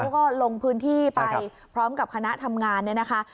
เขาก็ลงพื้นที่ไปพร้อมกับคณะทำงานเนี่ยนะคะ